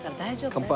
乾杯。